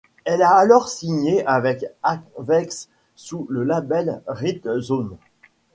Elle a alors signée avec Avex sous le label Rhythm Zone.